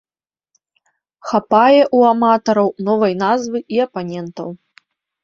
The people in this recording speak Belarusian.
Хапае ў аматараў новай назвы і апанентаў.